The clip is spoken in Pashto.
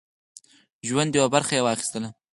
ژوند یوه برخه یې واخیستله.